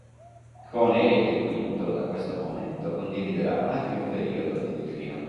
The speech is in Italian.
Con Eric V da questo momento condividerà anche un periodo di declino.